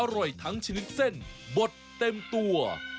อร่อยทั้งชื้นเส้นบดเต็มตัว